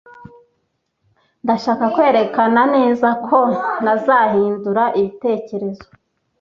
Ndashaka kwerekana neza ko ntazahindura ibitekerezo.